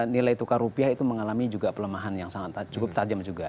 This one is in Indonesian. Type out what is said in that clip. nilai tukar rupiah itu mengalami juga pelemahan yang cukup tajam juga